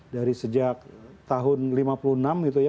dari sejak tahun lima puluh enam gitu ya